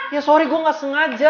ya sorry gue gak sengaja